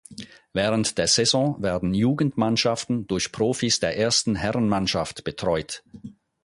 Während der Saison werden Jugendmannschaften durch Profis der ersten Herrenmannschaft betreut.